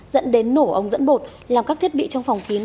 dẫn đến nổ ống dẫn bột làm các thiết bị trong phòng kín